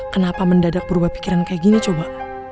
kenapa mendadak berubah pikiran kayak gini coba